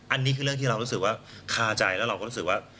อันนี้คือเรื่องที่เรารู้สึกว่าคาใจแล้วเราก็รู้สึกว่า